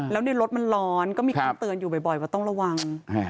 แล้วในรถมันร้อนก็มีคำเตือนอยู่บ่อยว่าต้องระวัง